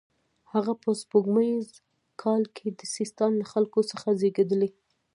هغه په سپوږمیز کال کې د سیستان له خلکو څخه زیږېدلی.